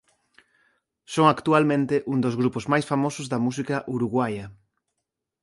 Son actualmente un dos grupos máis famosos da música uruguaia.